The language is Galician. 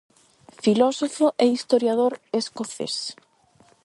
Filósofo e historiador escocés.